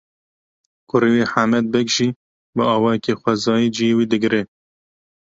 Kurê wî Hemed Beg jî bi awayekî xwezayî ciyê wî digire.